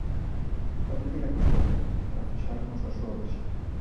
A primeira cuestión, para fixarmos a súa orixe.